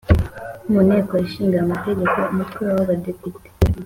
mu Nteko Ishinga Amategeko Umutwe wa badepite